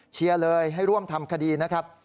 เชียร์เลยให้ร่วมทำคดีนะครับ